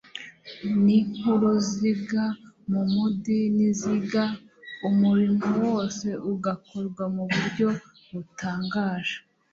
ni nk'uruziga mu mudi niziga, umurimo wose ugakorwa mu buryo butangaje.